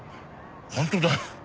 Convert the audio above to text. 本当だ。